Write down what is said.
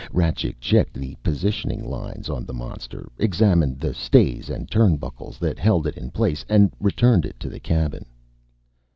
Rajcik checked the positioning lines on the monster, examined the stays and turnbuckles that held it in place, and returned to the cabin.